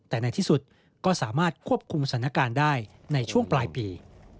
แต่ในที่สุดก็สามารถควบคุมสถานการณ์ได้ในช่วงปลายปี